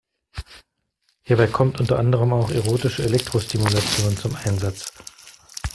Hierbei kommt unter anderem auch erotische Elektrostimulation zum Einsatz.